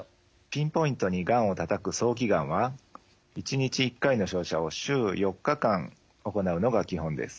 ピンポイントにがんをたたく早期がんは１日１回の照射を週４日間行うのが基本です。